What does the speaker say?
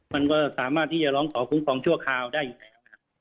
มันก็สามารถที่จะร้องขอคุ้มครองชั่วคราวได้อยู่แล้วนะครับ